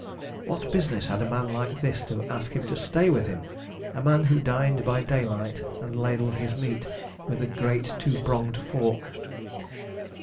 What business had a man like this to ask him to stay with him a man who dined by daylight, and ladled his meat with a great two pronged fork?